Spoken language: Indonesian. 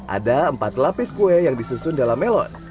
ada empat lapis kue yang disusun dalam melon